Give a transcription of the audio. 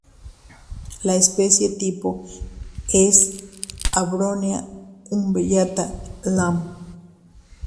La especie tipo es: "Abronia umbellata" Lam.